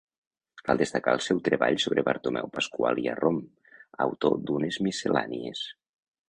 Cal destacar el seu treball sobre Bartomeu Pasqual i Arrom, autor d'unes Miscel·lànies.